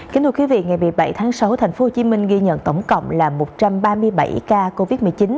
kính thưa quý vị ngày một mươi bảy tháng sáu tp hcm ghi nhận tổng cộng là một trăm ba mươi bảy ca covid một mươi chín